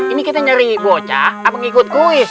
ini kita nyari bocah apa ngikut kuis